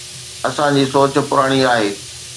اسان جي سوچ پراڻي آهي.